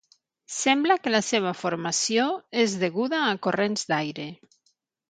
Sembla que la seva formació és deguda a corrents d'aire.